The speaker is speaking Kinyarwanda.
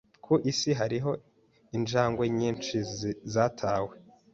Ku isi hariho injangwe nyinshi zatawe.